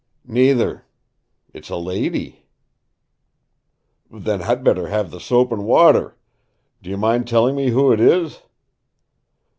"Neither. It's a lady." "Then I'd better have the soap and water! Do you mind telling me who it is?"